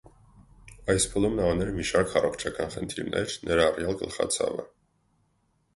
Այս փուլում նա ուներ մի շարք առողջական խնդիրներ, ներառյալ գլխացավը։